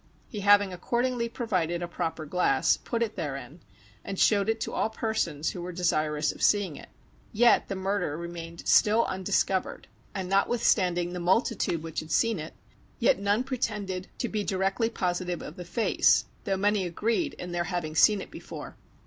He having accordingly provided a proper glass, put it therein, and showed it to all persons who were desirous of seeing it. Yet the murder remained still undiscovered; and notwithstanding the multitude which had seen it, yet none pretended to be directly positive of the face, though many agreed in their having seen it before.